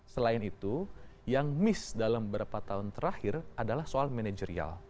selain itu yang miss dalam beberapa tahun terakhir adalah soal manajerial